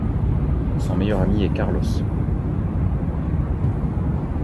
Son meilleur ami est Carlos.